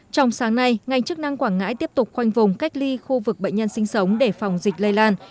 trong sáng nay ngành chức năng quảng ngãi tiếp tục khoanh vùng cách ly khu vực bệnh nhân sinh sống để phòng dịch lây lan